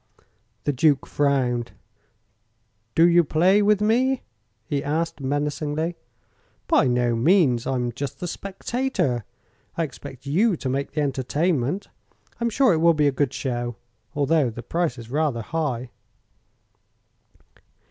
The Duke frowned. "Do you play with me?" he asked, menacingly. "By no means. I'm just the spectator. I expect you to make the entertainment. I'm sure it will be a good show, although the price is rather high."